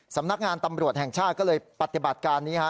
สำนักงานตำรวจแห่งชาติก็เลยปฏิบัติการนี้ฮะ